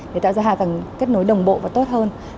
để tạo ra hạ tầng kết nối đồng bộ và tốt hơn